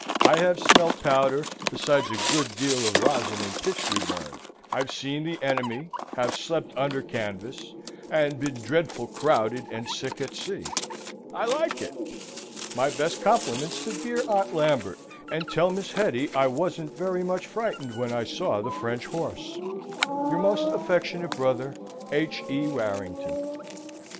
I have smelt powder, besides a good deal of rosn and pitch we burned. I've seen the enemy; have sleppt under canvass, and been dredful crowdid and sick at sea. I like it. My best compliments to dear Aunt Lambert, and tell Miss Hetty I wasn't very much fritened when I saw the French horse. Your most affectionate brother, H. E. WARRINGTON."